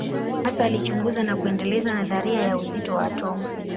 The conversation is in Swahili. Hasa alichunguza na kuendeleza nadharia ya uzito wa atomu.